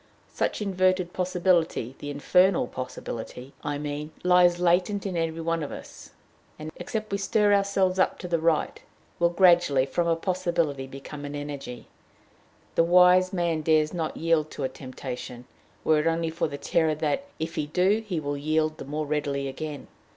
Such inverted possibility, the infernal possibility, I mean, lies latent in every one of us, and, except we stir ourselves up to the right, will gradually, from a possibility, become an energy. The wise man dares not yield to a temptation, were it only for the terror that, if he do, he will yield the more readily again.